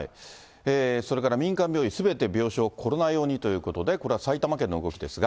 それから民間病院、すべて病床、コロナ用にということでこれは埼玉県の動きですが。